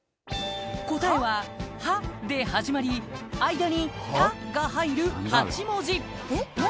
答えは「は」で始まり間に「た」が入る８文字えっ何？